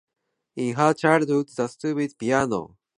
In her childhood she studied piano.